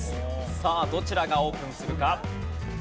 さあどちらがオープンするか？